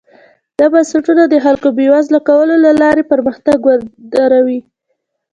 دا بنسټونه د خلکو بېوزله کولو له لارې پرمختګ ودروي.